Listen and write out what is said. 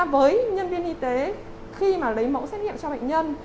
với nhân viên y tế khi mà lấy mẫu xét nghiệm cho bệnh nhân